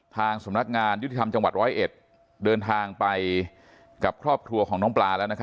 ทางสำนักงานยุติธรรมจังหวัด๑๐๑เดินทางไปกับครอบครัวของน้องปลาแล้ว